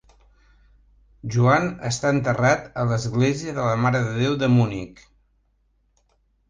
Joan està enterrat a l'Església de la Mare de Déu de Munic.